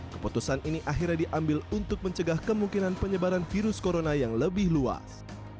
keputusan ini akhirnya diambil untuk mencegah kemungkinan penyebaran virus corona yang lebih luas